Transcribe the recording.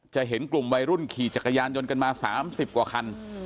เห็นกลุ่มวัยรุ่นขี่จักรยานยนต์กันมา๓๐กว่าคัน